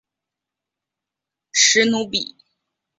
史努比。